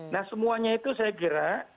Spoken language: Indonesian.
nah semuanya itu saya kira